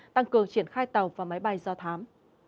tăng cường triển khai tàu và máy bay do thám